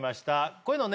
こういうのね